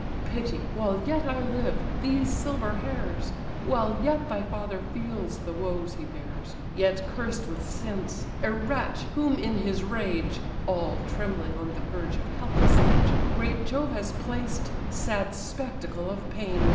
Pity, while yet I live, these silver hairs; While yet thy father feels the woes he bears, Yet cursed with sense! a wretch, whom in his rage (All trembling on the verge of helpless age) Great Jove has placed, sad spectacle of pain!